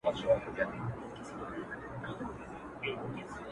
o ستا په زلفو کي اثیر را سره خاندي,